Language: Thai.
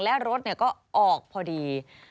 และรถก็ออกพอดี